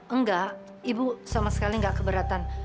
enggak ibu sama sekali nggak keberatan